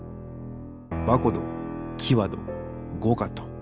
バコドキワドゴカト。